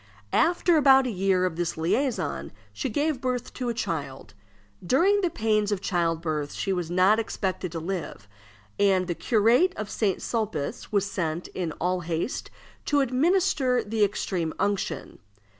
After about a year of this liaison, she gave birth to a child. During the pains of childbirth she was not expected to live, and the curate of St. Sulpice was sent for in all haste to administer the extreme unction.